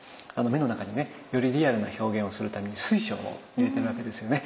目の中にねよりリアルな表現をするために水晶を入れてるわけですよね。